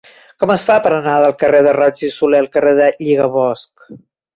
Com es fa per anar del carrer de Roig i Solé al carrer del Lligabosc?